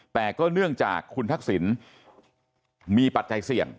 แต่ก็เนื่องจากคุณทักษิณมีปัจจัยเสี่ยง